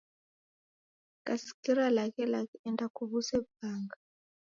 Kasikira laghelaghe enda kuw'use w'ughanga.